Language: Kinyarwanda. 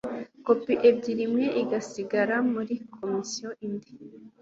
kopi ebyiri imwe igasigara muri Komisiyo indi